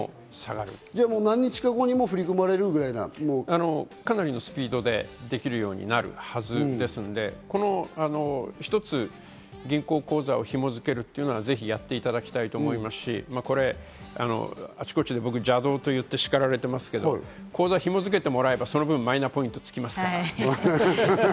何日か後に振り込まれるぐらかなりのスピードでできるようになるはずですので、一つ銀行口座を紐づけるっていうのはぜひやっていただきたいと思いますし、あちこちで僕、邪道と言って叱られてますけど、口座ひもづけてもらえれば、その分、マイナポイントつきますから。